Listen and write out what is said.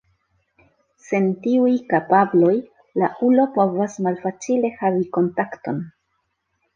Sen tiuj kapabloj la ulo povas malfacile havi kontakton.